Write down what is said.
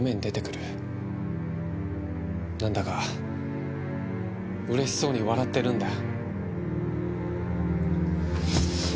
何だかうれしそうに笑ってるんだ。